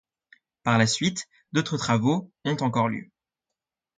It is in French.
Par la suite, d'autres travaux ont encore lieu.